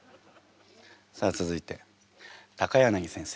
さあ続いて柳先生